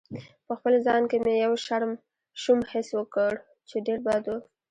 په خپل ځان کې مې یو شوم حس وکړ چې ډېر بد و.